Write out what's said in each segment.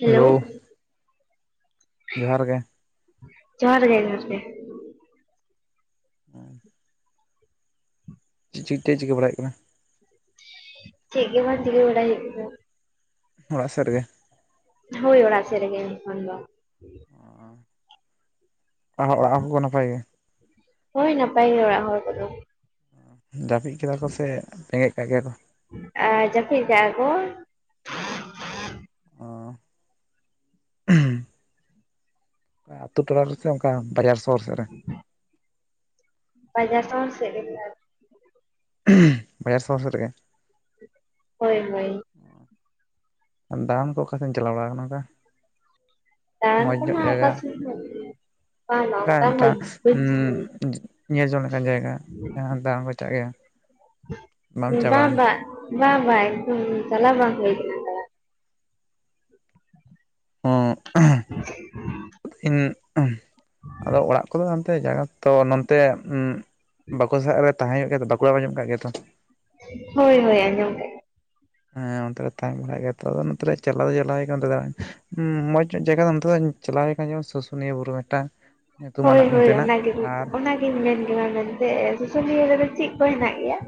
Hello ᱡᱚᱦᱟᱨ ᱜᱮ। ᱡᱚᱦᱟᱨ ᱜᱮ ᱡᱚᱦᱟᱨ ᱜᱮ। [inaudible] [unintelligible] ᱪᱤᱠᱟᱹ ᱵᱟᱲᱟᱭ ᱦᱳᱭᱳᱜ ᱠᱟᱱᱟ? ᱪᱮᱫ ᱜᱮ ᱵᱟᱝ ᱪᱤᱠᱟᱹ ᱵᱟᱲᱟᱭ ᱦᱳᱭᱳᱜ ᱠᱟᱱᱟ? ᱚᱲᱟᱜ ᱥᱮᱫ ᱨᱮ ᱜᱮ। ᱦᱳᱭ ᱚᱲᱟᱜ ᱥᱮᱫ‌ ᱨᱮ ᱜᱮ ᱮᱠᱷᱚᱱ ᱫᱚ। ᱚᱲᱟᱜ ᱦᱚᱲ ᱠᱚ ᱱᱟᱯᱟᱭ ᱜᱮᱭᱟ? ᱦᱳᱭ ᱱᱟᱯᱟᱭ ᱜᱮ ᱚᱲᱟᱜ ᱦᱚᱲ ᱠᱚᱫᱚ। ᱡᱟᱹᱯᱤᱫ ᱠᱮᱫᱟ ᱠᱚ ᱥᱮ ᱵᱮᱸᱜᱮᱫ ᱠᱟᱜ ᱜᱮᱭᱟ ᱠᱚ? ᱟᱸ ᱡᱟᱹᱯᱤᱫ ᱠᱟᱜᱼᱟᱠᱚ। ᱚ ᱟᱛᱳ ᱴᱚᱞᱟ ᱨᱮ ᱥᱮ ᱚᱱᱠᱟ ᱵᱟᱡᱟᱨ ᱥᱚᱦᱚᱨ ᱥᱮᱫ ᱨᱮ ᱵᱟᱡᱟᱨ ᱥᱚᱦᱚᱨ ᱥᱮᱫ ᱨᱮ ᱜᱮ ᱵᱟᱡᱟᱨ ᱥᱚᱦᱚᱨ ᱥᱮᱫ ᱨᱮ ᱜᱮ ᱦᱳᱭ ᱦᱳᱭ। ᱫᱟᱲᱟᱱ ᱠᱚ ᱚᱠᱟ ᱥᱮᱫ ᱮᱢ ᱪᱟᱞᱟᱣ ᱵᱟᱲᱟ ᱟᱠᱟᱱᱟ ᱚᱱᱠᱟ? ᱫᱟᱲᱟᱱ ᱢᱚᱸᱡᱽ ᱧᱚᱜ ᱠᱚᱢᱟ ᱚᱠᱟ ᱡᱟᱭᱜᱟ ᱥᱮᱫ ᱦᱚᱸ ᱵᱟᱝ ᱵᱟᱝ ᱚᱱᱠᱟ ᱢᱟ ᱵᱟᱹᱧ ᱢᱤᱫᱴᱟᱝ ᱩᱸ ᱧᱮᱞ ᱡᱚᱝ ᱞᱮᱠᱟᱱ ᱡᱟᱭᱜᱟ ᱡᱟᱦᱟ ᱫᱟᱲᱟᱱ ᱠᱚ ᱪᱟᱜ ᱜᱮᱭᱟ [inaudible] ᱵᱟᱢ ᱪᱟ ᱵᱟ ᱵᱟᱲᱟ ᱟᱠᱟᱱᱟ ᱵᱟ ᱵᱟ ᱵᱟ ᱮᱠᱫᱚᱢ ᱪᱟᱞᱟ ᱵᱟᱝ ᱦᱳᱭ ᱠᱟᱱᱟ। ᱫᱟᱬᱟᱱ ᱦᱚᱸ [inaudible] ᱤᱧ ᱟᱫᱚ ᱚᱲᱟᱜ ᱠᱚᱫᱚ ᱦᱟᱱᱛᱮ ᱡᱟᱭᱜᱟ ᱛᱚ ᱱᱚᱱᱛᱮ ᱩᱸ ᱵᱟᱠᱩᱲᱟ ᱥᱮᱫ ᱨᱮ ᱛᱟᱦᱮᱸ ᱦᱳᱭᱳᱜ ᱜᱮᱭᱟ ᱛᱚ, ᱵᱟᱠᱩᱲᱟ ᱟᱸᱡᱚᱢ ᱠᱟᱜ ᱜᱮᱭᱟ ᱛᱚ? ᱦᱳᱭ ᱦᱳᱭ ᱟᱸᱡᱚᱢᱼᱼ ᱦᱮᱸ ᱚᱱᱛᱮ ᱨᱮ ᱛᱟᱦᱮᱸ ᱵᱟᱲᱟᱭ ᱜᱮᱭᱟ ᱛᱚ ᱟᱫᱚ ᱱᱚᱛᱮ ᱪᱟᱞᱟᱣ ᱫᱚ ᱪᱟᱞᱟᱣ ᱦᱩᱭ ᱠᱟᱱᱟ ᱫᱟᱲᱟᱱ ᱦᱩᱸᱻ ᱢᱚᱸᱡᱽ ᱧᱚᱜ ᱡᱟᱭᱜᱟ ᱫᱚ ᱚᱱᱛᱮ ᱫᱚ ᱪᱟᱞᱟᱣ ᱦᱳᱭ ᱠᱟᱱᱟ ᱡᱮᱢᱚᱱ ᱥᱩᱥᱩᱱᱤᱭᱟᱹ ᱵᱩᱨᱩ ᱢᱤᱫᱴᱟᱝ ᱧᱩᱛᱩᱢᱟᱱᱟᱜ ᱦᱳᱭ ᱦᱳᱭ ᱱᱚᱛᱮᱱᱟᱜ ᱚᱱᱟᱜᱮ ᱟᱨ ᱚᱱᱟ ᱜᱤᱧ ᱢᱮᱱ ᱠᱮᱢᱟ ᱢᱮᱱᱛᱮ ᱥᱩᱥᱩᱱᱤᱭᱟ. ᱫᱚ ᱪᱮᱫ ᱠᱚ ᱦᱮᱱᱟᱜ ᱜᱮᱭᱟ?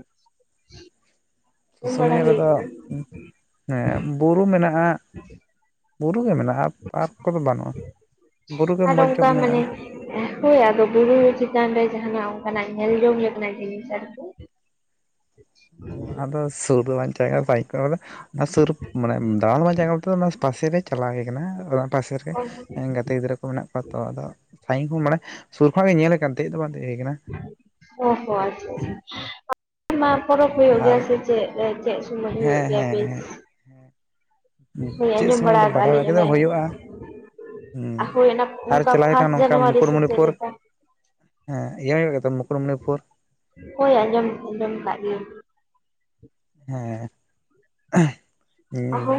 ᱟᱸᱡᱚᱢ ᱵᱟᱲᱟ ᱥᱩᱥᱩᱱᱤᱭᱟᱹ ᱦᱩᱭ ᱨᱮᱫᱚ ᱠᱟᱱᱟ ᱮᱸ ᱵᱩᱨᱩ ᱢᱮᱱᱟᱜᱼᱟ ᱵᱩᱨᱩ ᱜᱮ ᱢᱮᱱᱟᱜᱼᱟ ᱯᱟᱨᱠ ᱠᱚᱫᱚ ᱵᱟᱹᱱᱩᱜᱼᱟ, ᱵᱩᱨᱩ ᱜᱮ ᱢᱚᱡᱽ ᱧᱚᱜ ᱢᱮᱱᱟᱜᱼᱟ। ᱦᱚᱭ ᱟᱫᱚ ᱵᱩᱨᱩ ᱪᱮᱛᱟᱱ ᱨᱮ ᱡᱟᱦᱟᱱᱟᱜ ᱚᱱᱠᱟᱱᱟᱜ ᱧᱮᱞ ᱡᱚᱝ ᱞᱮᱠᱟᱱᱟᱜ ᱡᱤᱱᱤᱥ ᱟᱨᱠᱤ ᱟᱫᱚ ᱥᱩᱨ [unintelligible] ᱚᱱᱟ ᱥᱩᱨ ᱢᱟᱱᱮ ᱫᱟᱬᱟᱱᱢᱟ ᱡᱟᱸᱜᱟ ᱛᱚ ᱚᱱᱟ ᱯᱟᱥᱮ ᱨᱮ ᱪᱟᱞᱟᱣ ᱠᱟᱱᱟ ᱯᱟᱥᱮ ᱨᱮ ᱜᱮ ᱜᱟᱛᱮ ᱜᱤᱫᱽᱨᱟᱹ ᱠᱚ ᱢᱮᱱᱟᱜ ᱠᱚᱣᱟ ᱛᱚ ᱟᱫᱚ ᱥᱟᱺᱤᱧ ᱠᱷᱚᱱ ᱢᱟᱱᱮ ᱥᱩᱨ ᱠᱷᱚᱱᱟᱜ ᱜᱮ ᱧᱮᱞ ᱠᱟᱱ ᱛᱟᱦᱮᱸ ᱫᱚ ᱵᱟᱝ ᱛᱟᱦᱮᱸ ᱠᱟᱱᱟ ᱚ ᱦᱚ ᱟᱪᱪᱷᱟ ᱟᱪᱪᱷᱟ [unintelligible] ᱯᱚᱨᱚᱵᱽ ᱦᱩᱭᱩᱜ ᱟᱨ ᱜᱮᱭᱟ ᱥᱮ ᱪᱮᱫ ᱨᱮ ᱪᱮᱫ ᱥᱚᱢᱚᱭ ᱦᱩᱭᱩᱜ ᱦᱮᱸ ᱜᱮᱭᱟ ᱦᱮᱸ ᱵᱤᱥ ᱾ ᱦᱮᱸ ᱪᱮᱫ ᱥᱚᱢᱚᱭ ᱵᱟᱲᱟ ᱟᱠᱟᱜᱼᱟ ᱵᱟᱲᱟᱭ ᱞᱤᱧ ᱚᱱᱮ ᱵᱟᱲᱟ ᱦᱩᱭᱩᱜᱼᱟ ᱾ ᱦᱮᱸ ᱦᱳᱭ ᱚᱱᱟ ᱟᱨ ᱚᱱᱠᱟ ᱪᱟᱞᱟᱣ ᱦᱩᱭᱩᱜ ᱯᱷᱟᱥᱴ ᱠᱟᱱᱟ ᱱᱚᱝᱠᱟ ᱡᱟᱱᱩᱣᱟᱨᱤ ᱥᱮ ᱪᱮᱫ ᱢᱩᱠᱩᱴᱢᱚᱱᱤᱯᱩᱨ ᱾ ᱞᱮᱠᱟ ᱦᱮᱸ ᱤᱭᱟᱹ ᱦᱩᱭᱩᱜ ᱜᱮᱭᱟ ᱛᱚ ᱢᱩᱠᱩᱴᱢᱩᱱᱤᱯᱩᱨ ᱾ ᱦᱚᱭ ᱟᱸᱡᱚᱢ, ᱟᱸᱡᱚᱢ ᱟᱠᱟᱫ ᱜᱮᱭᱟᱧ ᱾ ᱦᱮᱸ [unintelligible] ᱦᱚ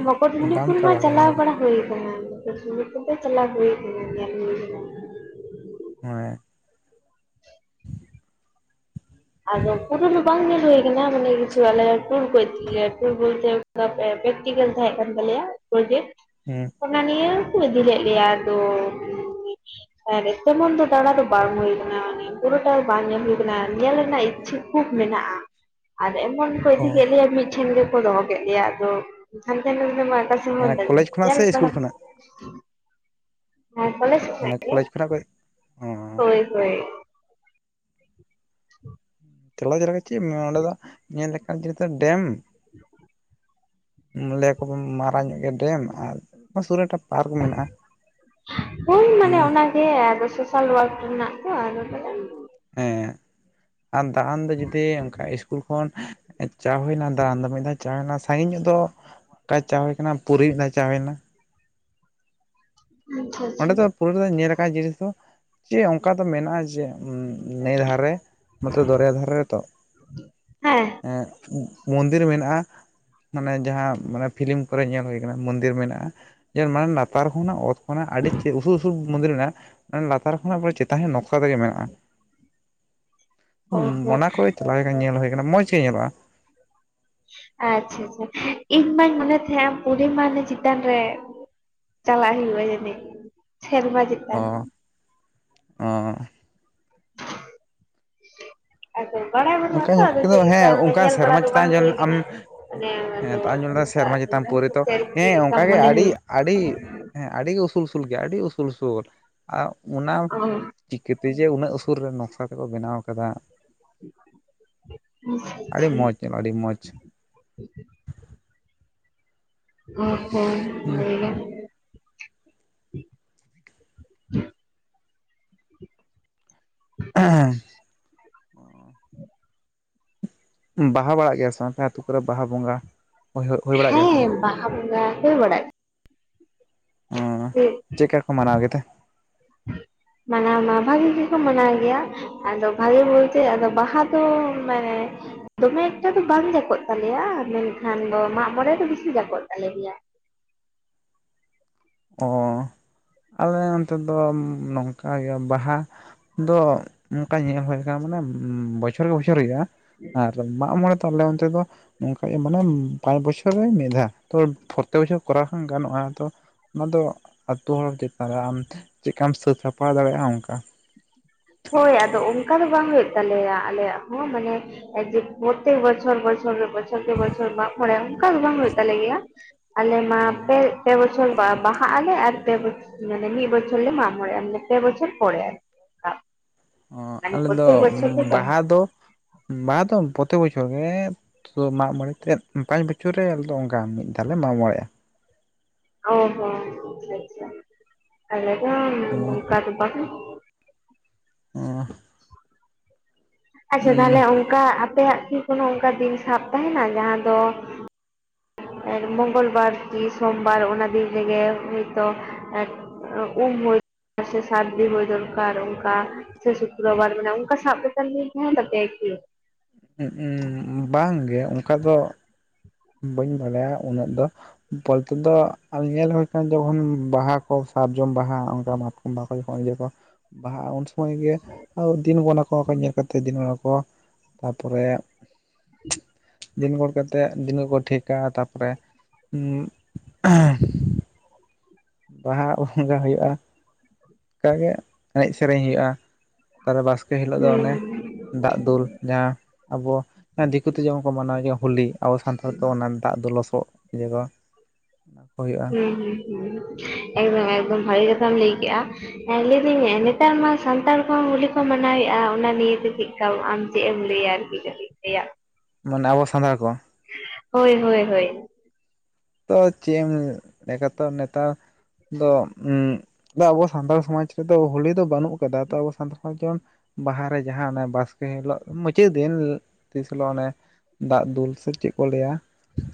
ᱵᱟᱢ ᱢᱩᱠᱩᱴᱢᱚᱱᱤᱯᱩᱨ ᱪᱟ ᱢᱟ ᱠᱟᱱᱟ ᱪᱟᱞᱟᱣ ᱧᱮᱞ ᱵᱟᱲᱟ ᱦᱩᱭᱟ ᱟᱠᱟᱱᱟ ᱾ ᱪᱟᱞᱟᱣ ᱦᱩᱭ [unintelligible] ᱛᱤᱧ ᱜᱮᱭᱟ [unintelligible] [inaudible] ᱟᱫᱚ ᱯᱩᱨᱟᱹ ᱫᱚ ᱵᱟᱝ ᱧᱮᱞ ᱦᱩᱭ ᱠᱟᱱᱟ, ᱢᱟᱱᱮ ᱠᱤᱪᱷᱩ ᱟᱞᱮ ᱴᱩᱨ ᱠᱚ ᱤᱫᱤ ᱜᱮᱭᱟ, ᱴᱩᱨ ᱵᱚᱞᱛᱮ ᱯᱨᱮᱠᱴᱤᱠᱮᱞ ᱛᱟᱦᱮᱸ ᱠᱟᱱ ᱛᱟᱞᱮᱭᱟ ᱯᱨᱚᱡᱮᱠᱴ ᱾ ᱦᱮᱸ ᱾ ᱚᱱᱟ ᱱᱤᱭᱟᱹ ᱠᱚ ᱤᱫᱤ ᱞᱮᱫ ᱞᱮᱭᱟ ᱟᱫᱚ ᱛᱮᱢᱚᱱ ᱫᱚ ᱫᱟᱬᱟ ᱫᱚ ᱵᱟᱝ ᱦᱩᱭ ᱠᱟᱱᱟ ᱢᱟᱱᱮ ᱵᱩᱨᱩ ᱴᱟᱜ ᱫᱚ ᱵᱟᱝ ᱧᱮᱞ ᱦᱩᱭᱟᱠᱟᱱᱟ ᱚᱱᱟ ᱧᱮᱞ ᱨᱮᱱᱟᱜ ᱤᱪᱪᱷᱟᱹ ᱠᱷᱩᱵ ᱢᱮᱱᱟᱜᱼᱟ ᱟᱨ ᱮᱢᱚᱱ ᱠᱚ ᱚ ᱤᱫᱤ ᱠᱮᱫ ᱞᱮᱭᱟ ᱢᱤᱫᱴᱷᱮᱱ ᱜᱮ ᱠᱚ ᱫᱚᱦᱚ ᱠᱮᱫ ᱜᱮᱭᱟ ᱟᱫᱚ, ᱦᱟᱱᱛᱮ ᱨᱮ ᱢᱟ ᱚᱠᱟ ᱢᱟᱱᱮ ᱠᱚᱞᱮᱡᱽ [unintelligible] ᱠᱷᱚᱱᱟᱜ ᱧᱮᱞ ᱥᱮ ᱵᱟᱲᱟ ᱤᱥᱠᱩᱞ ᱠᱷᱚᱱᱟᱜ [inaudible] ᱦᱮᱸ ᱠᱚᱞᱮᱡᱽ ᱢᱟᱱᱮ ᱠᱚᱞᱮᱡᱽ ᱠᱷᱚᱱᱟᱜ ᱠᱚ ᱦᱚᱭ ᱦᱚᱭ ᱪᱟᱞᱟᱣ [unintelligible] ᱪᱮᱫ ᱚᱱᱰᱮ ᱫᱚ ᱧᱮᱞ ᱞᱮᱠᱟᱱ ᱡᱤᱱᱤᱥ ᱫᱚ ᱰᱮᱢ᱾ [inaudible] ᱞᱟᱹᱭᱟᱠᱚ ᱢᱟᱨᱟᱝ ᱧᱚᱜ ᱜᱮᱭᱟ ᱰᱮᱢ ᱟᱨ ᱥᱩᱨᱮ ᱯᱟᱨᱠ ᱢᱮᱱᱟᱜᱼᱟ ᱦᱮᱸ ᱟᱫᱚ ᱥᱚᱥᱟᱞ ᱣᱟᱨᱠ ᱨᱮᱱᱟᱜ ᱛᱚ ᱟᱫᱚ ᱛᱟᱦᱚᱞᱮ ᱦᱮᱸ ᱟᱨ ᱫᱟᱬᱟᱱ ᱫᱚ ᱡᱩᱫᱤ ᱚᱱᱠᱟ ᱤᱥᱠᱩᱞ ᱠᱷᱚᱱ ᱪᱟ ᱦᱩᱭᱱᱟ ᱫᱟᱨᱟᱱ ᱫᱚ ᱢᱤᱫ ᱫᱷᱟᱣ ᱪᱟ ᱦᱩᱭᱱᱟ ᱥᱟᱺᱜᱤᱧ ᱧᱚᱜ ᱫᱚ ᱚᱠᱟ ᱪᱟ ᱦᱩᱭᱱᱟ ᱯᱩᱨᱤ ᱢᱤᱫ ᱫᱷᱟᱣ ᱪᱟ ᱦᱩᱭᱱᱟ ᱾ ᱟᱪᱪᱷᱟ ᱟᱪᱪᱷᱟ ᱚᱸᱰᱮ ᱫᱚ ᱯᱩᱨᱟᱹ ᱧᱮᱞ ᱟᱠᱟᱱ ᱡᱤᱱᱤᱥ ᱫᱚ ᱡᱮ ᱚᱱᱠᱟ ᱫᱚ ᱢᱮᱱᱟᱜᱼᱟ ᱡᱮ ᱱᱮᱭ ᱫᱷᱟᱨᱮ ᱱᱚᱛᱮ ᱫᱚᱨᱭᱟ ᱫᱷᱟᱨᱮ ᱛᱚ ᱾ ᱦᱮᱸ ᱾ ᱮ ᱢᱚᱱᱫᱤᱨ ᱢᱮᱱᱟᱜᱼᱟ ᱾ ᱢᱟᱱᱮ ᱡᱟᱦᱟᱸ ᱢᱟᱱᱮ ᱯᱷᱤᱞᱤᱢ ᱠᱚᱨᱮ ᱧᱮᱞ ᱦᱩᱭ ᱠᱟᱱᱟ ᱢᱚᱱᱫᱤᱨ ᱢᱮᱱᱟᱜᱼᱟ ᱡᱮ ᱢᱟᱱᱮ ᱞᱟᱛᱟᱨ ᱦᱚᱸ ᱚᱱᱟ ᱚᱛ ᱠᱷᱚᱱᱟᱜ ᱟᱹᱰᱤ ᱩᱥᱩᱞᱼᱩᱥᱩᱞ ᱢᱚᱱᱫᱤᱨ ᱢᱮᱱᱟᱜᱼᱟ ᱾ ᱞᱟᱛᱟᱨ ᱠᱷᱚᱱᱟᱜ ᱪᱮᱛᱟᱱ ᱱᱚᱝᱠᱟ ᱛᱮᱜᱮ ᱢᱮᱱᱟᱜᱼᱟ ᱾ ᱚ ᱦᱚᱸ ᱚᱱᱟ ᱠᱚ ᱪᱟᱞᱟᱣ ᱞᱮᱠᱷᱟᱱ ᱧᱮᱞ ᱦᱩᱭ ᱠᱟᱱᱟ, ᱢᱚᱸᱡᱽ ᱜᱮ ᱧᱮᱞᱚᱜᱼᱟ ᱾ ᱟᱪᱪᱷᱟ ᱟᱪᱪᱷᱟ ᱾ ᱤᱧ ᱢᱟᱧ ᱢᱚᱱᱮ ᱛᱟᱦᱮᱸᱱᱟ ᱯᱩᱨᱤ ᱢᱟᱱᱮ ᱪᱮᱛᱟᱱ ᱨᱮ ᱪᱟᱞᱟᱜ ᱦᱩᱭᱩᱜᱼᱟ ᱡᱟᱹᱱᱤ, ᱥᱮᱨᱢᱟ ᱪᱮᱛᱟᱱ ᱚ [inaudible] ᱚ [inaudible] ᱟᱫᱚ ᱵᱟᱲᱟᱭ ᱵᱟᱹᱱᱩᱜ ᱚᱱᱠᱟ ᱟᱛᱚ ᱧᱮᱞ ᱟᱫᱚ ᱪᱮᱫ ᱠᱚᱫᱚ ᱞᱮᱠᱟ ᱦᱮᱸ ᱚᱱᱠᱟ ᱧᱮᱞ ᱵᱟᱲᱟ ᱥᱮᱨᱢᱟ ᱫᱚ ᱪᱮᱛᱟᱱ ᱵᱟᱝ ᱧᱮᱞ ᱦᱩᱭ ᱟᱢ ᱠᱟᱱᱟ, ᱦᱮᱸ ᱟᱫᱚ ᱛᱚ ᱟᱢ ᱧᱮᱞ ᱫᱟ ᱢᱟᱱᱮ ᱥᱮᱨᱢᱟ ᱫᱟᱜ ᱪᱮᱛᱟᱱ ᱠᱮᱫᱟᱭ ᱯᱟᱹᱣᱨᱟᱹ ᱛᱚ ᱪᱮᱫ ᱦᱮᱸ ᱞᱮᱠᱟ ᱚᱱᱠᱟ ᱜᱮ ᱢᱚᱱᱮ ᱟᱹᱰᱤ ᱦᱩᱭᱩᱜ? ᱟᱹᱰᱤ ᱦᱮᱸ ᱟᱹᱰᱤᱜᱮ ᱩᱥᱩᱞ ᱩᱥᱩᱞ ᱜᱮᱭᱟ ᱟᱹᱰᱤ ᱩᱥᱩᱞ ᱩᱥᱩᱞ ᱟᱨ ᱚᱱᱟ ᱚ ᱪᱤᱠᱟᱹᱛᱮ ᱡᱮ ᱩᱱᱟᱹᱜ ᱩᱥᱩᱞ ᱨᱮ ᱱᱚᱠᱥᱟ ᱠᱚᱫᱚ ᱵᱮᱱᱟᱣ ᱠᱟᱫᱟ᱾ [inaudible] ᱟᱪᱪᱷᱟ ᱟᱹᱰᱤ ᱟᱪᱪᱷᱟ ᱢᱚᱡᱽ ᱧᱮᱞᱚᱜᱼᱟ ᱟᱹᱰᱤ ᱢᱚᱡᱽ ᱚ ᱦᱚᱸ [unintelligible] [inaudible] ᱵᱟᱦᱟ ᱵᱟᱲᱟᱜ ᱜᱮᱭᱟ ᱥᱮ ᱵᱟᱝ ᱟᱯᱮ ᱟᱹᱛᱩ ᱠᱚᱨᱮ ᱵᱟᱦᱟ ᱵᱚᱸᱜᱟ? ᱦᱳᱭ ᱦᱳᱭ ᱵᱟᱲᱟᱜ ᱜᱮᱭᱟ ᱥᱮ ᱵᱟᱝ ᱦᱮᱸ ᱵᱟᱦᱟ ᱵᱚᱸᱜᱟ ᱦᱩᱭ ᱵᱟᱲᱟ ᱚ ᱦᱩᱭᱩᱜ ᱪᱮᱫᱠᱟ ᱠᱚ ᱜᱤᱭᱟ, ᱢᱟᱱᱟᱣ ᱜᱮᱛᱮ [inaudible] ᱢᱟᱱᱟᱣ ᱢᱟ ᱵᱷᱟᱜᱮ ᱜᱮᱠᱚ ᱢᱟᱱᱟᱣ ᱜᱮᱭᱟ, ᱟᱫᱚ ᱵᱷᱟᱜᱮ ᱵᱚᱞᱛᱮ ᱟᱫᱚ ᱵᱟᱦᱟ ᱫᱚ ᱢᱟᱱᱮ ᱫᱚᱢᱮ ᱮᱠᱴᱟ ᱫᱚ ᱵᱟᱝ ᱡᱟᱠᱚᱜ ᱛᱟᱞᱮᱭᱟ ᱢᱮᱱᱠᱷᱟᱱ ᱢᱟᱸᱜᱼᱢᱚᱬᱮ ᱫᱚ ᱵᱮᱥᱤ ᱡᱟᱠᱚᱜ ᱛᱟᱞᱮ ᱜᱮᱭᱟ᱾ ᱚ ᱟᱞᱮ ᱚᱱᱛᱮ ᱫᱚ ᱱᱚᱝᱠᱟ ᱜᱮ ᱵᱟᱦᱟ ᱫᱚ ᱚᱱᱠᱟ ᱧᱮᱞ ᱦᱩᱭ ᱠᱟᱱᱟ ᱢᱟᱱᱮ ᱵᱚᱪᱷᱚᱨ ᱜᱮ ᱵᱚᱪᱷᱚᱨ ᱦᱩᱭᱩᱜᱼᱟ᱾ ᱟᱨ ᱢᱟᱜ ᱢᱚᱲᱮ ᱛᱟᱦᱚᱞᱮ ᱚᱱᱛᱮ ᱫᱚ? ᱱᱚᱝᱠᱟ ᱜᱮ ᱢᱟᱱᱮ ᱯᱟᱸᱪ ᱵᱚᱪᱷᱚᱨ ᱢᱤᱫ ᱫᱷᱟ ᱛᱚ ᱯᱨᱚᱛᱛᱮᱠ ᱵᱚᱪᱷᱚᱨ ᱠᱚᱨᱟᱣ ᱦᱚᱸ ᱜᱟᱱᱚᱜᱼᱟ ᱛᱚ ᱚᱱᱟ ᱫᱚ ᱟᱛᱳ ᱦᱚᱲ ᱪᱮᱛᱟᱱ ᱨᱮ ᱟᱢ ᱪᱮᱫ ᱞᱮᱠᱟᱢ ᱥᱟᱹᱛ ᱥᱟᱯᱲᱟᱣ ᱫᱟᱲᱮᱭᱟᱜᱼᱟ ᱚᱱᱠᱟ᱾ ᱦᱳᱭ ᱟᱫᱚ ᱚᱱᱠᱟ ᱫᱚ ᱵᱟᱝ ᱦᱳᱭᱳᱜ ᱛᱟᱞᱮᱭᱟ ᱟᱞᱮᱭᱟᱜ ᱦᱚᱸ ᱢᱟᱱᱮ ᱮ ᱡᱮ ᱯᱨᱚᱛᱛᱮᱠ ᱵᱚᱪᱚᱨ ᱵᱚᱪᱷᱚᱨ ᱨᱮ ᱵᱚᱪᱷᱚᱨ ᱵᱚᱪᱷᱚᱨ ᱢᱟᱸᱜᱼᱢᱚᱬᱮᱸ ᱚᱱᱠᱟ ᱫᱚ ᱵᱟᱝ ᱦᱩᱭᱩᱜ ᱛᱟᱞᱮ ᱜᱮᱭᱟ ᱟᱞᱮ ᱢᱟ ᱦᱮᱸ ᱯᱮ ᱯᱮ ᱵᱚᱪᱷᱚᱨ ᱯᱮ ᱵᱚᱪᱷᱚᱨ ᱰᱟᱦᱟᱜ ᱟᱞᱮ ᱟᱨ ᱯᱮ ᱢᱟᱱᱮ ᱢᱤᱫ ᱵᱚᱪᱷᱚᱨ ᱞᱮ ᱢᱟᱸᱜᱼᱢᱚᱬᱮᱸᱼᱟ ᱢᱟᱱᱮ ᱯᱮ ᱵᱚᱪᱷᱚᱨ ᱯᱚᱨᱮ ᱟᱨᱠᱤ ᱾ ᱚ ᱟᱞᱮ ᱫᱚ ᱵᱟᱝ ᱵᱟᱦᱟ ᱫᱚ ᱵᱟᱦᱟ ᱫᱚ ᱯᱨᱚᱛᱛᱮᱠ ᱵᱚᱪᱷᱚᱨ ᱜᱮ ᱛᱚ ᱢᱟᱸᱜᱼᱢᱚᱬᱮ ᱛᱮᱫ ᱯᱟᱸᱪ ᱵᱚᱪᱷᱚᱨ ᱨᱮ ᱟᱞᱮᱚ ᱚᱱᱠᱟ ᱢᱤᱫ ᱫᱷᱟᱣ ᱞᱮ ᱢᱟᱸᱜᱼᱢᱚᱬᱮᱸᱜᱼᱟ ᱚ ᱦᱚᱸ ᱟᱪᱪᱷᱟ ᱟᱪᱪᱷᱟ, ᱟᱞᱮ ᱫᱚ ᱚ, ᱟᱪᱪᱷᱟ ᱛᱟᱦᱚᱞᱮ ᱚᱱᱠᱟ ᱟᱯᱮᱭᱟᱜ ᱠᱤ ᱠᱳᱱᱳ ᱚᱱᱠᱟ ᱫᱤᱱ ᱥᱟᱵ ᱛᱟᱦᱮᱱᱟ ᱡᱟᱦᱟᱸ ᱫᱚ ᱢᱚᱝᱜᱚᱞᱵᱟᱨ, ᱠᱤ ᱥᱚᱢᱵᱟᱨ ᱚᱱᱟ ᱫᱤᱱ ᱨᱮᱜᱮ ᱦᱚᱭᱛᱚ ᱮ ᱩᱢ ᱦᱳᱭ ᱥᱮ ᱥᱟᱨᱫᱤ ᱦᱩᱭ ᱫᱚᱨᱠᱟᱨ ᱚᱱᱠᱟ ᱥᱮ ᱥᱩᱠᱨᱵᱟᱨ, ᱢᱟᱱᱮ ᱚᱱᱠᱟ ᱥᱟᱵ ᱠᱟᱛᱮᱫ ᱫᱤᱱ ᱛᱟᱦᱮᱱ ᱛᱟᱯᱮᱭᱟ ᱠᱤ? ᱩᱦ ᱦᱩᱸ ᱵᱟᱝ ᱜᱮ ᱚᱱᱠᱟ ᱫᱚ ᱵᱟᱹᱧ ᱵᱟᱞᱟᱭᱟ ᱩᱱᱟᱹᱜ ᱫᱚ ᱯᱚᱞᱮ ᱛᱮ ᱫᱚ ᱧᱮᱞ ᱦᱩᱭ ᱟᱠᱟᱱᱟ ᱡᱚᱠᱷᱚᱱ ᱵᱟᱦᱟ ᱠᱚ ᱥᱟᱨᱡᱚᱢ ᱵᱟᱦᱟ ᱚᱱᱠᱟ ᱢᱟᱛᱠᱚᱢ ᱵᱟᱦᱟ ᱠᱚ ᱡᱚᱠᱷᱚᱱ ᱤᱭᱟᱹ ᱠᱚ ᱵᱟᱦᱟᱜᱼᱟ ᱩᱱ ᱥᱚᱢᱚᱭ ᱜᱮ ᱟᱨ ᱫᱤᱱ ᱜᱚᱱ ᱟᱠᱚ ᱚᱱᱟᱠᱚ ᱧᱮᱞ ᱠᱟᱛᱮ ᱫᱤᱱ ᱜᱚᱱᱟ ᱠᱚ ᱛᱟᱯᱚᱨᱮ [inaudible] ᱫᱤᱱᱜᱚᱱ ᱠᱟᱛᱮᱫ ᱫᱤᱱ ᱠᱚᱠᱚ ᱴᱷᱤᱠᱼᱟ ᱛᱟᱨᱯᱚᱨᱮ ᱩᱸ ᱮᱸ ᱵᱟᱦᱟ ᱵᱚᱸᱜᱟ ᱦᱳᱭᱳᱜᱼᱟ ᱚᱱᱠᱟᱜᱮ ᱮᱱᱮᱡ ᱥᱮᱨᱮᱧ ᱦᱩᱭᱩᱜᱼᱟ᱾ ᱛᱟᱨ ᱵᱟᱥᱠᱮ ᱦᱤᱞᱳᱜ ᱫᱚ ᱦᱩᱸ ᱚᱱᱮ ᱫᱟᱜ ᱫᱩᱞ ᱡᱟᱦᱟᱸ ᱟᱵᱚ ᱫᱤᱠᱩᱛᱮ ᱡᱮᱢᱚᱱ ᱠᱚ ᱢᱟᱱᱟᱣ ᱡ ᱦᱳᱞᱤ ᱟᱵᱚ ᱥᱟᱱᱛᱟᱲ ᱛᱮ ᱚᱱᱟ ᱫᱟᱜ ᱫᱚ ᱞᱚᱥᱚᱫ ᱡᱮ ᱠᱚᱼᱼ ᱚᱱᱟᱠᱚ ᱦᱳᱭᱳᱜᱼᱟ ᱾ ᱦᱩᱸ ᱦᱩᱸ ᱦᱩᱸ ᱮᱠᱫᱚᱢ ᱮᱠᱫᱚᱢ ᱵᱷᱟᱹᱜᱮ ᱠᱟᱛᱷᱟᱢ ᱞᱟᱹᱭ ᱠᱮᱜᱼᱟ᱾ ᱦᱮᱸ ᱞᱟᱹᱭᱫᱟᱹᱧ ᱱᱮᱛᱟᱨ ᱢᱟ ᱥᱟᱱᱛᱟᱲ ᱠᱚᱦᱚᱸ ᱦᱳᱞᱤ ᱠᱚ ᱢᱟᱱᱟᱣᱮᱫᱼᱟ ᱚᱱᱟ ᱱᱤᱭᱮᱛᱮ, ᱪᱮᱫᱠᱟ ᱟᱢ ᱪᱮᱫ ᱮᱢ ᱞᱟᱹᱭᱟ? [unintelligible] ᱢᱟᱱᱮ ᱟᱵᱚ ᱥᱟᱱᱛᱟᱲ ᱠᱚ ᱾ ᱦᱚᱭ ᱦᱚᱭ ᱦᱚᱭ ᱾ ᱛᱚ ᱪᱮᱫ ᱮᱢ ᱞᱮᱠᱟ ᱛᱚ ᱱᱮᱛᱟᱨ ᱫᱚ ᱩᱸᱻ ᱫᱚ ᱟᱵᱚ ᱥᱟᱱᱛᱟᱲ ᱥᱚᱢᱟᱡᱽ ᱨᱮᱫᱚ ᱦᱳᱞᱤ ᱫᱚ ᱵᱟᱹᱱᱩᱜ ᱟᱠᱟᱫᱟ᱾ ᱛᱚ ᱟᱵᱚ ᱥᱟᱱᱛᱟᱲ ᱥᱚᱢᱟᱡᱽ ᱡᱮᱢᱚᱱ ᱵᱟᱦᱟ ᱨᱮ ᱡᱟᱦᱟᱸ ᱚᱱᱮ ᱵᱟᱥᱠᱮ ᱦᱤᱞᱚᱜ ᱢᱩᱪᱟᱹᱫ ᱫᱤᱱ ᱛᱤᱥ ᱦᱤᱞᱚᱜ ᱚᱱᱮ ᱾ ᱫᱟᱜ ᱫᱩᱞ ᱥᱮ ᱪᱮᱫ ᱠᱚ ᱞᱟᱹᱭᱟ?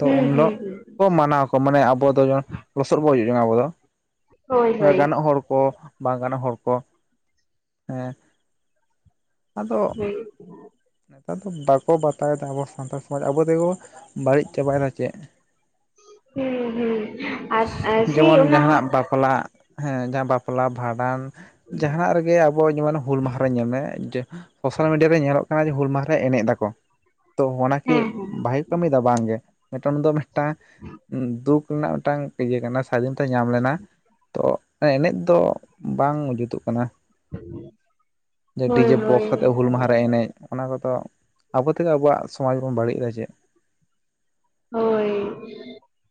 ᱛᱚ ᱩᱱ ᱦᱩᱸ ᱦᱤᱞᱚᱜ ᱦᱩᱸ ᱠᱚ ᱢᱟᱱᱟᱣ ᱟᱠᱚ ᱾ ᱢᱟᱱᱮ ᱟᱵᱚ ᱫᱚ ᱡᱢᱚᱱ ᱞᱚᱥᱚᱫ ᱵᱚᱱ ᱦᱤᱡᱩᱜ ᱡᱚᱝᱟ ᱟᱵᱚ ᱫᱚ ᱦᱳᱭ ᱾ ᱦᱳᱭ ᱜᱟᱱᱚᱜ ᱦᱚᱲ ᱠᱚ ᱵᱟᱝ ᱜᱟᱱᱚᱜ ᱦᱚᱲ ᱠᱚ ᱦᱮᱸ᱾ ᱟᱫᱚ ᱦᱳᱭ ᱱᱮᱛᱟᱨ ᱫᱚ ᱵᱟᱠᱚ ᱵᱟᱛᱟ ᱭᱮᱫᱟ ᱟᱵᱚ ᱥᱟᱱᱛᱟᱲ ᱥᱚᱢᱟᱡᱽ ᱟᱵᱚ ᱛᱮᱜᱮ ᱵᱚ ᱵᱟᱹᱲᱤᱡ ᱪᱟᱵᱟᱭᱮᱱᱟ ᱪᱮ ᱾ ᱦᱩᱸ ᱦᱩᱸ ᱟ ᱟᱨ ᱥᱮᱭ ᱚᱱᱟ ᱦᱚᱸ ᱚᱱᱟ ᱦᱮᱸ ᱡᱟᱦᱟᱸ ᱵᱟᱯᱞᱟ ᱵᱷᱟᱸᱰᱟᱱ ᱡᱟᱦᱟᱸᱱᱟᱜ ᱨᱮᱜᱮ ᱟᱵᱚ ᱡᱮᱢᱚᱱ, ᱦᱩᱞ ᱢᱟᱦᱟᱸ ᱨᱮ ᱧᱮᱞ ᱢᱮ ᱾ ᱥᱳᱥᱟᱞ ᱢᱤᱰᱤᱭᱟ ᱨᱮ ᱧᱮᱞᱚᱜ ᱠᱟᱱᱟ ᱡᱮ ᱦᱩᱞ ᱢᱟᱦᱟ ᱨᱮ ᱮᱱᱮᱡ ᱮᱫᱟ ᱠᱚ ᱛᱚ ᱚᱱᱟ ᱠᱤ ᱦᱮᱸ ᱦᱮᱸ ᱵᱷᱟᱹᱜᱤ ᱠᱚ ᱠᱟᱹᱢᱤᱭᱮ ᱫᱟ ᱵᱟᱝᱜᱮ ᱢᱤᱫᱴᱟᱹᱝ ᱫᱚ ᱢᱤᱫᱴᱟᱝ ᱫᱩᱠ ᱨᱮᱱᱟᱜ ᱢᱤᱫᱴᱟᱝ ᱤᱭᱟᱹ ᱠᱟᱱᱟ᱾ ᱥᱟᱫᱷᱤᱱᱚᱛᱟ ᱧᱟᱢ ᱞᱮᱱᱟ ᱛᱚ, ᱮᱱᱮᱡ ᱫᱚ ᱵᱟᱝ ᱡᱩᱛᱩᱜ ᱠᱟᱱᱟ ᱡᱮ ᱦᱳᱭ ᱰᱤᱡᱮ ᱦᱳᱭ ᱵᱚᱠᱥ ᱠᱟᱛᱮ ᱦᱩᱞ ᱢᱟᱦᱟᱸ ᱨᱮ ᱮᱱᱮᱡ ᱾ ᱚᱱᱟ ᱠᱚᱫᱚ, ᱟᱵᱚ ᱛᱮᱜᱮ ᱟᱵᱚᱣᱟᱜ ᱥᱚᱢᱟᱡᱽ ᱵᱚᱱ ᱵᱟᱹᱲᱤᱡ ᱮᱫᱟ ᱪᱮᱫ ᱾ ᱦᱚᱭ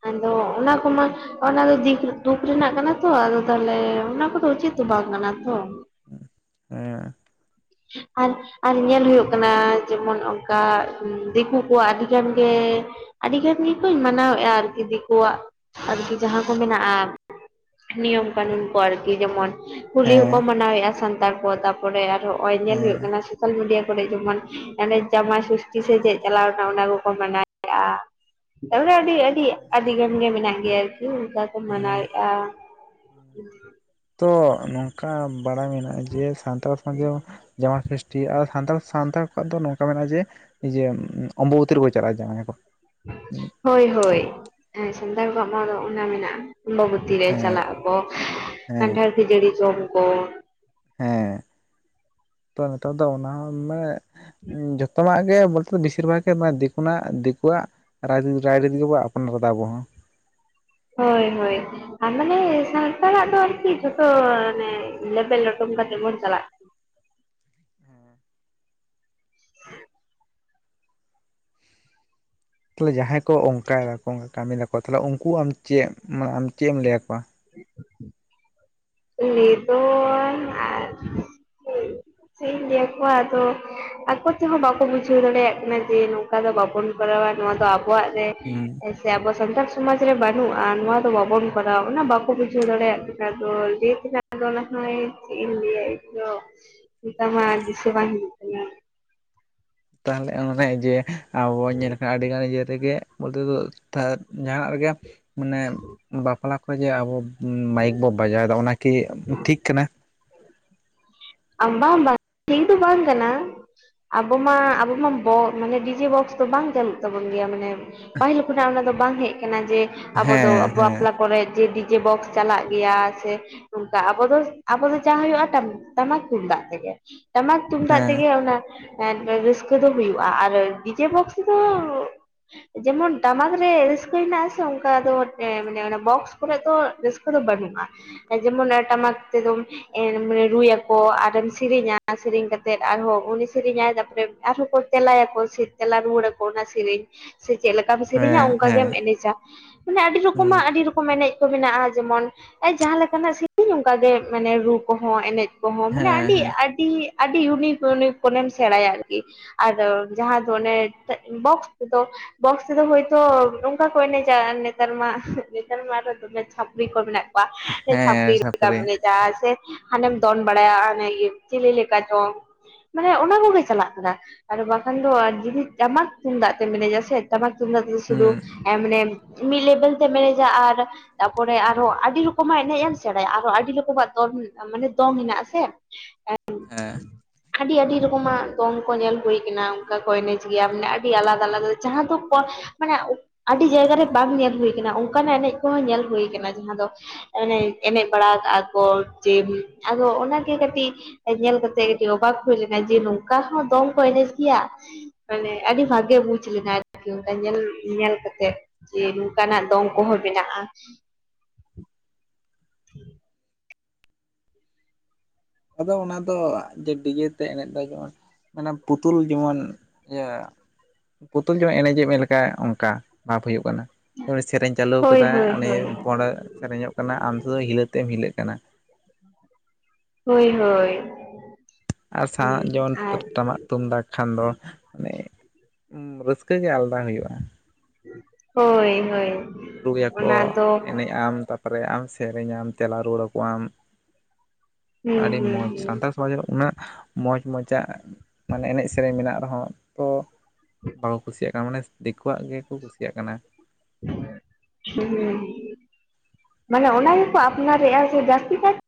ᱟᱫᱚ ᱚᱱᱟ ᱠᱚᱢᱟ ᱱᱷᱟᱜ ᱚᱱᱟ ᱫᱚ ᱫᱤ ᱫᱩᱠ ᱨᱮᱱᱟᱜ ᱠᱟᱱᱟ ᱛᱚ ᱟᱫᱚ ᱛᱟᱦᱚᱞᱮ ᱚᱱᱟ ᱠᱚᱫᱚ ᱩᱪᱤᱛ ᱫᱚ ᱵᱟᱝ ᱠᱟᱱᱟ ᱛᱚ᱾ ᱦᱮᱸᱻ ᱟᱨ ᱟᱨ ᱧᱮᱞ ᱦᱩᱭᱩᱜ ᱠᱟᱱᱟ ᱡᱮᱢᱚᱱ ᱚᱱᱠᱟ ᱫᱤᱠᱩ ᱠᱚᱣᱟᱜ ᱟᱹᱰᱤᱜᱟᱱ ᱜᱮ, ᱟᱹᱰᱤᱜᱟᱱ ᱜᱮ ᱠᱚ ᱢᱟᱱᱟᱣᱮᱫᱼᱟ ᱟᱨᱠᱤ ᱫᱤᱠᱩᱣᱟᱜ ᱟᱨᱠᱤ ᱡᱟᱦᱟᱸ ᱠᱚ ᱢᱮᱱᱟᱜᱼᱟ᱾ ᱱᱤᱭᱚᱢ ᱠᱟᱱᱩᱱ ᱠᱚ ᱟᱨᱠᱤ ᱡᱮᱢᱚᱱ ᱦᱚᱞᱤ ᱦᱚᱸᱠᱚ ᱦᱮᱸ ᱢᱟᱱᱟᱣᱮᱫᱼᱟ ᱥᱟᱱᱛᱟᱲ ᱠᱚ ᱛᱟᱯᱚᱨᱮ ᱟᱨᱦᱚᱸ ᱱᱚᱜᱼᱚᱭ ᱧᱮᱞ ᱦᱩᱭᱩᱜ ᱦᱮᱸ ᱠᱟᱱᱟ ᱥᱳᱟᱞ ᱢᱤᱰᱤᱭᱟ ᱠᱚᱨᱮ ᱡᱮᱢᱚᱱ ᱮ ᱡᱟᱢᱟᱭ ᱥᱚᱥᱴᱤ ᱥᱮ ᱪᱮᱫ ᱪᱟᱞᱟᱣᱮᱱᱟ ᱚᱱᱟ ᱠᱚᱠᱚ ᱢᱮᱱᱟᱣᱮᱭᱟᱜᱼᱟ᱾ ᱛᱟᱯᱚᱨᱮ ᱟᱹᱰᱤ ᱟᱹᱰᱤ ᱟᱹᱰᱤ ᱜᱟᱱ ᱜᱮ ᱢᱮᱱᱟᱜ ᱜᱮᱭᱟ᱾ᱟᱨᱠᱤ ᱚᱱᱠᱟ ᱠᱚ ᱦᱩᱸ ᱢᱟᱱᱟᱭᱮᱫᱼᱟ ᱾ ᱛᱚ ᱱᱚᱝᱠᱟ ᱵᱟᱲᱟᱭ ᱢᱮᱱᱟᱜᱼᱟ ᱡᱮ ᱥᱟᱱᱛᱟᱲ ᱥᱚᱢᱟᱡᱽ ᱨᱮ ᱡᱮᱢᱚᱱ ᱦᱤᱥ ᱴᱤ ᱟᱨ ᱥᱟᱱᱛᱟᱲ ᱥᱟᱱᱛᱟᱲ ᱠᱚᱣᱟᱜ ᱫᱚ ᱱᱚᱝᱠᱟ ᱢᱮᱱᱟᱜᱼᱟ ᱡᱮ, ᱱᱤᱡᱮ ᱚᱢᱵᱚᱵᱚᱛᱤ ᱨᱮᱠᱚ ᱪᱟᱞᱟᱜᱼᱟ ᱡᱟᱦᱟᱸᱭ ᱠᱚ ᱦᱚᱭ ᱦᱚᱭ, ᱥᱟᱱᱛᱟᱲ ᱠᱚᱣᱟᱜ ᱢᱟ ᱚᱱᱟ ᱢᱮᱱᱟᱜᱼᱟ ᱚᱢᱵᱚ ᱛᱤ ᱨᱮ ᱦᱮᱸ ᱪᱟᱞᱟᱜ ᱟᱠᱚ ᱦᱮᱸ ᱠᱟᱱᱴᱷᱟᱲ ᱠᱷᱟᱹᱡᱟᱹᱲᱤ ᱡᱚᱢ ᱠᱚ ᱾ ᱦᱮᱸ ᱛᱚ ᱱᱮᱛᱟᱨ ᱫᱚ ᱚᱱᱟ ᱦᱚᱸ ᱢᱟᱱᱮ ᱡᱚᱛᱚ ᱱᱟᱜ ᱜᱮ ᱵᱚ ᱵᱮᱥᱤᱨ ᱵᱷᱟᱜᱽ ᱜᱮ ᱱᱚᱣᱟ ᱫᱤᱠᱩ ᱱᱟᱜ ᱫᱤᱠᱩᱣᱟᱜ ᱨᱟᱭᱨᱤ ᱨᱟᱭᱨᱤᱛ ᱜᱮᱵᱚ ᱟᱯᱱᱟᱨᱮᱫᱟ ᱟᱵᱚ ᱦᱚᱸ᱾ ᱦᱚᱭ ᱦᱚᱭ ᱟᱨ ᱢᱟᱱᱮ ᱥᱟᱱᱛᱟᱲᱟᱜ ᱫᱚ ᱟᱨᱠᱤ ᱡᱷᱚᱛᱚ ᱢᱟᱱᱮ ᱞᱮᱵᱮᱞ ᱞᱚᱴᱚᱢ ᱠᱟᱛᱮ ᱵᱚᱱ ᱪᱟᱞᱟᱜ [inaudible] ᱛᱟᱦᱚᱞᱮ ᱡᱟᱦᱟᱸᱭ ᱠᱚ ᱚᱱᱠᱟ ᱮᱫᱟᱠᱚ ᱠᱟᱹᱢᱤᱭ ᱫᱟᱠᱚ, ᱛᱟᱦᱚᱞᱮ ᱩᱱᱠᱩ ᱟᱢ ᱪᱮᱫ ᱢᱟᱱᱮ ᱟᱢ ᱪᱮᱫ ᱮᱢ ᱞᱟᱹᱭᱟᱠᱚᱣᱟ᱾ [inaudible] ᱞᱟᱹᱭ ᱫᱚ ᱟᱨ ᱪᱮᱫ ᱤᱧ ᱞᱟᱹᱭ ᱟᱠᱚᱣᱟ ᱟᱫᱚ᱾ ᱟᱠᱚ ᱛᱮᱦᱚᱸ ᱵᱟᱠᱚ ᱵᱩᱡᱷᱟᱹᱣ ᱫᱟᱲᱮᱭᱟᱜ ᱠᱟᱱᱟ᱾ ᱡᱮ ᱱᱚᱝᱠᱟ ᱫᱚ ᱵᱟᱵᱚᱱ ᱠᱚᱨᱟᱣᱟ ᱱᱚᱣᱟ ᱫᱚ ᱟᱵᱚᱣᱟᱜ ᱨᱮ ᱦᱩᱸ ᱟᱪᱪ [inaudible] ᱥᱮ ᱟᱵᱚ ᱥᱟᱱᱛᱟᱲ ᱥᱚᱢᱟᱡᱽ ᱨᱮ ᱵᱟᱹᱱᱩᱜᱼᱟ ᱱᱚᱣᱟ ᱫᱚ ᱵᱟᱵᱚᱱ ᱠᱚᱨᱟᱣᱟ ᱚᱱᱟ ᱵᱟᱠᱚ ᱵᱩᱡᱷᱟᱹᱣ ᱫᱟᱲᱮᱭᱟᱜ ᱞᱮᱠᱟ ᱫᱚ [unintelligible] ᱪᱮᱫ ᱤᱧ ᱞᱟᱹᱭᱟ ᱤᱧ ᱫᱚ ᱢᱮᱛᱟᱢᱟ ᱫᱤᱥᱟᱹ ᱵᱟᱝ ᱦᱤᱡᱩᱜ ᱠᱟᱱᱟ ᱾ ᱛᱟᱞᱦᱮ ᱚᱱᱮ ᱡᱮ ᱟᱵᱚ ᱵᱚ ᱧᱮᱞ ᱠᱟᱜ-ᱟ ᱟᱹᱰᱤᱜᱟᱱ ᱤᱭᱟᱹ ᱨᱮᱜᱮ ᱵᱚᱞᱛᱮ ᱫᱚ [unintelligible] ᱡᱟᱦᱟᱱᱟᱜ ᱨᱮᱜᱮ ᱢᱟᱱᱮ ᱵᱟᱯᱞᱟ ᱠᱚᱨᱮ ᱡᱮ ᱟᱵᱚ ᱢᱟᱭᱤᱠ ᱵᱚ ᱵᱟᱡᱟᱣᱮᱫᱟ ᱚᱱᱟ ᱠᱤ ᱴᱷᱤᱠ ᱠᱟᱱᱟ? ᱟᱢᱵᱟ ᱟᱢᱵᱟ ᱴᱷᱤᱠ ᱫᱚ ᱵᱟᱝ ᱠᱟᱱᱟ ᱟᱵᱚ ᱢᱟ ᱟᱵᱚ ᱢᱟ ᱵᱚ ᱢᱟᱱᱮ ᱰᱤᱡᱮ ᱵᱚᱠᱥ ᱫᱚ ᱵᱟᱝ ᱪᱟᱹᱞᱩᱜ ᱛᱟᱵᱚᱱ ᱜᱮᱭᱟ ᱢᱟᱱᱮ ᱯᱟᱹᱦᱤᱞ ᱠᱷᱚᱱᱟᱜ ᱚᱱᱟ ᱫᱚ ᱵᱟᱝ ᱦᱮᱡ ᱟᱠᱟᱱᱟ ᱡᱮ ᱟᱵᱚ ᱦᱮᱸ ᱫᱚ ᱦᱮᱸ ᱵᱟᱯᱞᱟ ᱠᱚᱨᱮ ᱡᱮ ᱫᱤᱠ ᱡᱮ ᱵᱚᱠᱥ ᱪᱟᱞᱟᱜ ᱜᱮᱭᱟ ᱥᱮ ᱱᱚᱝᱠᱟ ᱟᱵᱚ ᱫᱚ ᱟᱵᱚ ᱫᱚ ᱡᱟ ᱦᱩᱭᱩᱜᱼᱟ ᱴᱟᱢ ᱴᱟᱢᱟᱠ ᱛᱩᱢᱫᱟᱜ ᱛᱮᱜᱮ ᱴᱟᱢᱟᱠ ᱛᱩᱢᱫᱟᱜ ᱦᱮᱸ ᱛᱮᱜᱮ ᱚᱱᱟ ᱮᱫ ᱨᱟᱹᱥᱠᱟᱹ ᱫᱚ ᱦᱩᱭᱩᱜᱼᱟ ᱟᱨ ᱰᱤᱡᱮ ᱵᱚᱠᱥ ᱛᱮᱫᱚ ᱡᱮᱢᱚᱱ ᱴᱟᱢᱟᱠ ᱨᱮ ᱨᱟᱹᱥᱠᱟᱹ ᱦᱮᱱᱟᱜ ᱟᱥᱮ ᱚᱱᱠᱟ ᱫᱚ ᱮ ᱢᱟᱱᱮ ᱵᱚᱠᱥ ᱠᱚᱨᱮ ᱫᱚ ᱨᱟᱹᱥᱠᱟ. ᱨᱟᱹᱥᱠᱟᱹ ᱫᱚ ᱵᱟᱹᱱᱩᱜᱼᱟ ᱮ ᱡᱮᱢᱚᱱ ᱴᱟᱢᱟᱠ ᱛᱮᱫᱚᱢ ᱮᱢ ᱨᱩᱭᱟ ᱠᱚ ᱟᱨᱮᱢ ᱥᱤᱨᱤᱧᱟ ᱥᱤᱨᱤᱧ ᱠᱟᱛᱮ ᱟᱨᱦᱚᱸ ᱩᱱᱤ ᱥᱤᱨᱤᱧᱟᱭ ᱛᱟᱨᱯᱚᱨᱮ ᱟᱨᱦᱚᱸ ᱠᱚ ᱛᱮᱞᱟᱭᱟᱠᱚ ᱥᱮ ᱛᱮᱞᱟ ᱨᱩᱶᱟ. ᱲ ᱟᱠᱚ ᱚᱱᱟ ᱥᱤᱨᱤᱧ ᱥᱮ ᱪᱮᱫ ᱞᱮᱠᱟᱢ ᱥᱤᱨᱤᱧᱟ ᱦᱮᱸ ᱚᱱᱠᱟ ᱦᱮᱸ ᱜᱮᱢ ᱮᱱᱮᱡᱟ ᱢᱟᱱᱮ ᱟᱹᱰᱤ ᱦᱩᱸ ᱨᱚᱠᱚᱢᱟᱜ ᱟᱹᱰᱤ ᱨᱚᱠᱚᱢ ᱮᱱᱮᱡ ᱠᱚ ᱢᱮᱱᱟᱜᱼᱟ ᱡᱮᱢᱚᱱ ᱡᱟᱦᱟᱸ ᱞᱮᱠᱟᱱᱟᱜ ᱥᱤᱨᱤᱧ ᱚᱱᱠᱟᱜᱮ ᱢᱮᱱᱮ ᱨᱩ ᱠᱚᱦᱚᱸ ᱮᱱᱮᱡ ᱠᱚᱦᱚᱸ ᱢᱟᱱᱮ ᱦᱮᱸ ᱟᱹᱰᱤ ᱦᱮᱸ ᱟᱹᱰᱤ ᱟᱹᱰᱤ ᱤᱭᱩᱱᱤᱠ ᱤᱭᱩᱱᱤᱠ ᱠᱚᱱᱮᱢ ᱥᱮᱸᱲᱟᱭᱟ ᱟᱨᱠᱤ ᱟᱫᱚ ᱡᱟᱦᱟᱸ ᱫᱚ ᱚᱱᱮ ᱪᱮᱫ ᱵᱚᱠᱥ ᱛᱮᱫᱚ ᱵᱚᱠᱥ ᱛᱮᱫᱚ ᱦᱳᱭᱛᱚ ᱱᱚᱝᱠᱟ ᱠᱚ ᱮᱱᱮᱡᱟ ᱱᱮᱛᱟᱨ ᱢᱟ ᱱᱮᱛᱟᱨ ᱢᱟ ᱟᱨᱚ ᱫᱚᱢᱮ ᱪᱷᱟᱯᱨᱤ ᱠᱚ ᱢᱮᱱᱟᱜ ᱠᱚᱣᱟ ᱵᱟ ᱦᱮᱸ ᱪᱷᱟᱯᱲᱤ ᱞᱮᱠᱟᱢ ᱛᱟᱯᱚᱨᱮ ᱮᱱᱮᱡᱟ ᱥᱮ ᱦᱟᱱᱮᱢ ᱫᱚᱱ ᱵᱟᱲᱟᱭᱟ ᱟᱨ ᱚᱱᱮ ᱤᱭᱟ. ᱪᱤᱞᱤ ᱞᱮᱠᱟ ᱪᱚ ᱢᱟᱱᱮ ᱚᱱᱟ ᱠᱚᱜᱮ ᱪᱟᱞᱟᱜ ᱠᱟᱱᱟ ᱟᱨ ᱵᱟᱠᱷᱟᱱ ᱫᱚ ᱡᱩᱫᱤ ᱴᱟᱢᱟᱠ ᱛᱩᱢᱫᱟᱜ ᱛᱮᱢ ᱮᱱᱮᱡᱟ ᱥᱮ ᱴᱟᱢᱟᱠ ᱛᱩᱢᱫᱟᱜ ᱫᱚ ᱥᱩᱫᱩ ᱦᱩᱸ ᱮ ᱢᱟᱱᱮ ᱢᱤᱫ ᱞᱮᱵᱮᱞ ᱛᱮᱢ ᱮᱱᱮᱡᱟ ᱟᱨ ᱛᱟᱯᱚᱨᱮ ᱟᱨᱦᱚ ᱟᱹᱰᱤ ᱨᱚᱠᱚᱢᱟᱜ ᱮᱱᱮᱡ ᱮᱢ ᱥᱮᱸᱲᱟᱭᱟ ᱟᱨᱦᱚ ᱟᱹᱰᱤ ᱨᱚᱠᱚᱢᱟᱜ ᱫᱚᱱ ᱢᱟᱱᱮ ᱫᱚᱢ ᱢᱮᱱᱟᱜ ᱟᱥᱮ ᱦᱮᱸ ᱟᱹᱰᱤ ᱟᱹᱰᱤ ᱨᱚᱠᱚᱢᱟᱜ ᱫᱚᱝ ᱠᱚ ᱧᱮᱞ ᱦᱩᱭ ᱠᱟᱱᱟ ᱚᱱᱠᱟ ᱠᱚ ᱮᱱᱮᱡ ᱜᱮᱭᱟ ᱢᱟᱱᱮ ᱟᱹᱰᱤ ᱟᱞᱟᱫᱟ ᱟᱞᱟᱫᱟ ᱡᱟᱦᱟᱸ ᱫᱚ [unintelligible] ᱢᱟᱱᱮ ᱩᱜ ᱟᱹᱰᱤ ᱡᱟᱭᱜᱟ ᱨᱮ ᱵᱟᱝ ᱧᱮᱞ ᱦᱩᱭ ᱠᱟᱱᱟ ᱚᱱᱠᱟᱱᱟᱜ ᱮᱱᱮᱡ ᱠᱚᱦᱚᱸ ᱧᱮᱞ ᱦᱩᱭ ᱠᱟᱱᱟ ᱡᱟᱦᱟᱸ ᱫᱚ ᱟᱱᱮ ᱮᱱᱮᱡ ᱵᱟᱲᱟ ᱠᱟᱜᱼᱟ ᱠᱚ ᱡᱮ ᱟᱫᱚ ᱚᱱᱟᱜᱮ ᱠᱟᱹᱴᱤᱡ ᱧᱮᱞ ᱠᱟᱛᱮᱜ ᱜᱮ ᱚᱵᱟᱠ ᱦᱩᱭ ᱞᱮᱱᱟ ᱡᱮ ᱱᱚᱝᱠᱟ ᱦᱚᱸ ᱫᱚᱝ ᱠᱚ ᱮᱱᱮᱡ ᱜᱮᱭᱟ ᱢᱟᱱᱮ ᱟᱹᱰᱤ ᱵᱷᱟᱜᱮ ᱵᱩᱡ ᱞᱮᱱᱟ ᱟᱨᱠᱤ ᱚᱱᱠᱟ ᱧᱮᱞ ᱧᱮᱞ ᱠᱟᱛᱮᱜ ᱡᱮ ᱚᱱᱠᱟᱱᱟᱜ ᱫᱚᱝ ᱠᱚᱦᱚᱸ ᱢᱮᱱᱟᱜᱼᱟ। [inaudible] ᱟᱫᱚ ᱚᱱᱟ ᱫᱚ ᱡᱮ ᱰᱤᱡᱮᱛᱮ ᱮᱱᱮᱡ ᱫᱟᱵᱚᱱ ᱢᱟᱱᱮ ᱯᱩᱛᱩᱞ ᱡᱮᱢᱚᱱ ᱤᱭᱟᱹ ᱯᱩᱛᱩᱞ ᱡᱚᱝ ᱮᱱᱮᱡᱮᱜ ᱢᱮ ᱞᱮᱠᱟ ᱚᱱᱠᱟ ᱵᱷᱟᱵᱽ ᱦᱩᱭᱩᱜ ᱠᱟᱱᱟ ᱥᱮᱨᱮᱧ ᱪᱟᱹᱞᱩ ᱦᱳᱭ ᱠᱟᱫᱟ ᱦᱳᱭ ᱱᱤᱭᱟ. ᱦᱳᱭ ᱯᱷᱳᱱ ᱨᱮ ᱥᱮᱨᱮᱧᱚᱜ ᱠᱟᱱᱟ ᱟᱢ ᱫᱚ ᱦᱤᱞᱟᱹ ᱛᱮᱢ ᱦᱤᱞᱟᱹᱜ ᱠᱟᱱᱟ ᱦᱳᱭ ᱦᱳᱭ ᱟᱨ ᱥᱟᱜ ᱡᱚᱱ ᱟᱨ ᱴᱟᱢᱟᱠ ᱛᱩᱢᱫᱟᱜ ᱠᱷᱟᱱ ᱫᱚ ᱢᱟᱱᱮ ᱨᱟᱹᱥᱠᱟᱹ ᱜᱮ ᱟᱞᱟᱫᱟ ᱦᱩᱭᱩᱜᱼᱟ ᱦᱳᱭ ᱦᱳᱭ ᱨᱩᱭᱟᱠᱚ ᱚᱱᱟ ᱫᱚ ᱮᱱᱮᱡ ᱟᱢ ᱛᱟᱨᱯᱚᱨᱮ ᱟᱢ ᱥᱮᱨᱮᱧᱟᱢ ᱛᱮᱞᱟ ᱨᱩᱣᱟᱹᱲ ᱟᱠᱚᱣᱟᱢ ᱟᱹᱰᱤ ᱦᱩᱸ ᱢᱚᱡᱽ ᱦᱩᱸ ᱥᱟᱱᱛᱟᱲ ᱩᱱᱟᱹᱜ ᱢᱚᱸᱡᱽ ᱢᱚᱡᱟᱜ ᱢᱟᱱᱮ ᱮᱱᱮᱡ ᱥᱮᱨᱮᱧ ᱢᱮᱱᱟᱜ ᱨᱮᱦᱚᱸ ᱛᱚ ᱵᱟᱠᱚ ᱠᱩᱥᱤᱭᱟᱜ ᱠᱟᱱᱟ ᱢᱟᱱᱮ ᱫᱮᱠᱳᱣᱟᱜ ᱜᱮᱠᱚ ᱠᱩᱥᱤᱭᱟᱜ ᱠᱟᱱᱟ [unintelligible] ᱢᱟᱱᱮ, ᱚᱱᱟ ᱜᱮᱠᱚ ᱟᱯᱱᱟᱨᱮᱫᱼᱟ, ᱥᱮ ᱡᱟᱹᱥᱛᱤ ᱠᱟᱭᱛᱮ